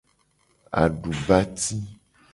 Adubati.